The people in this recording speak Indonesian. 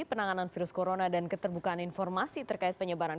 penanganan virus corona dan keterbukaan informasi terkait penyebaran covid sembilan belas